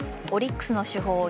オリックスの主砲